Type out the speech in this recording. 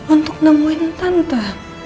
untuk nemuin tante